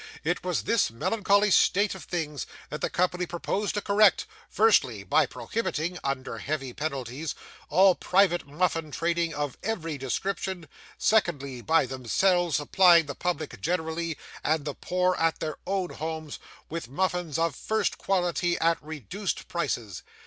It was this melancholy state of things that the Company proposed to correct; firstly, by prohibiting, under heavy penalties, all private muffin trading of every description; secondly, by themselves supplying the public generally, and the poor at their own homes, with muffins of first quality at reduced prices.